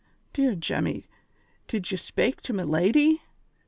" Dear Jemmy, did ye spake to me lady